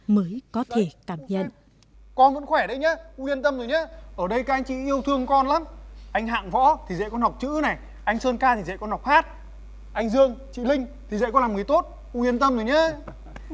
mới có thể cảm nhận